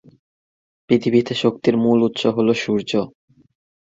পৃথিবীতে শক্তির মূল উৎস হল সূর্য।